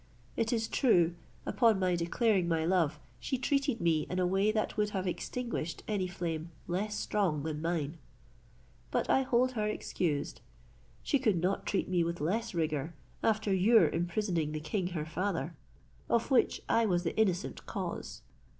It is true upon my declaring my love, she treated me in a way that would have extinguished any flame less strong than mine. But I hold her excused; she could not treat me with less rigour, after your imprisoning the king her father, of which I was the innocent cause.